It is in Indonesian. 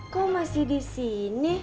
kau masih di sini